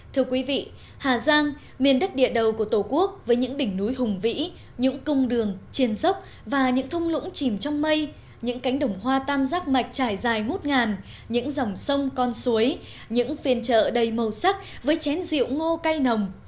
thưa quý vị hà giang miền đất địa đầu của tổ quốc với những đỉnh núi hùng vĩ những cung đường trên dốc và những thông lũng chìm trong mây những cánh đồng hoa tam giác mạch trải dài ngút ngàn những dòng sông con suối những phiên trợ đầy màu sắc với chén rượu ngô cây nồng